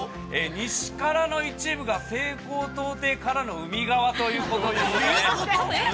西からの一部が西高東低からの海側ということですね。